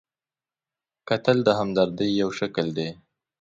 کتل د همدردۍ یو شکل دی